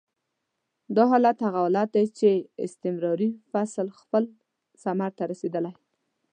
دا حالت هغه حالت دی چې استعماري فصل خپل ثمر ته رسېدلی.